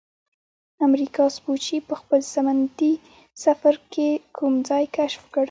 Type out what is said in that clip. امریکا سپوچي په خپل سمندي سفر کې کوم ځای کشف کړ؟